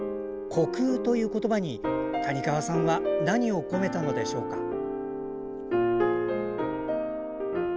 虚空ということばに、谷川さんは何を込めたのでしょうか。